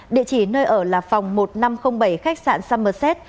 địa chỉ nơi ở là phòng một nghìn năm trăm linh bảy khách sạn summerset